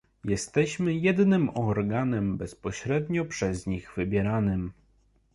Jesteśmy jedynym organem bezpośrednio przez nich wybieranym